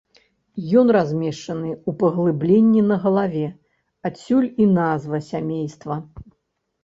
Ён размешчаны ў паглыбленні на галаве, адсюль і назва сямейства.